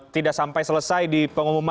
tidak sampai selesai di pengumuman